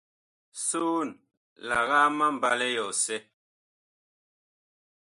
Soon, lagaa ma mbalɛ yɔsɛ.